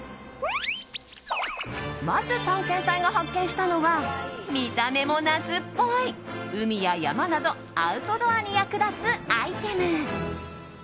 まず探検隊が発見したのは見た目も夏っぽい海や山などアウトドアに役立つアイテム。